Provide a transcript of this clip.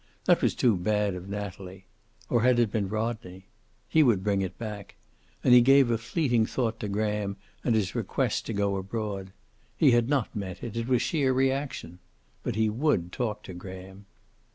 That was too bad of Natalie. Or had it been Rodney? He would bring it back. And he gave a fleeting thought to Graham and his request to go abroad. He had not meant it. It was sheer reaction. But he would talk to Graham.